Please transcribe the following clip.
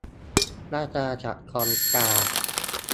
ราชอาณาจักรตองกา